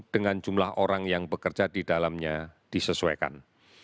dengan jumlah orang yang bekerja di dalamnya disesuaikan